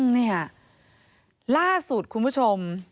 เนี่ยล่าสุดคุณผู้ชม